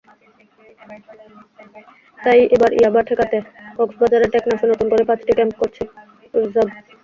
তাই এবার ইয়াবা ঠেকাতে কক্সবাজারের টেকনাফে নতুন করে পাঁচটি ক্যাম্প করছে র্যাব।